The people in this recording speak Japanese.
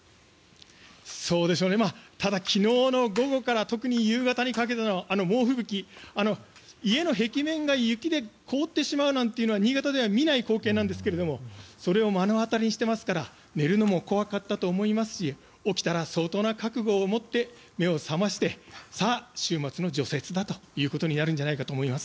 ただ昨日の午後から特に夕方にかけてのあの猛吹雪、家の壁面が雪で凍ってしまうというのは新潟では見ない光景なんですがそれを目の当たりにしてますから寝るのも怖かったと思いますし起きたら相当な覚悟を持って目を覚ましてさあ、週末の除雪だということになるんじゃないかと思います。